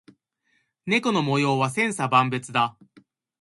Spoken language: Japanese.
猫の模様は千差万別だ。